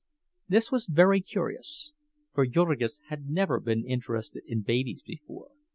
This was very curious, for Jurgis had never been interested in babies before.